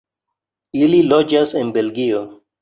Ili loĝas en Belgio.